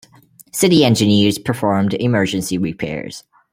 City engineers performed emergency repairs.